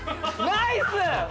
ナイス！